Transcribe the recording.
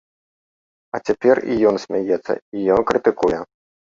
А цяпер і ён смяецца, і ён крытыкуе.